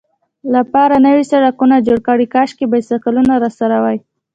لپاره نوي سړکونه جوړ کړي، کاشکې بایسکلونه راسره وای.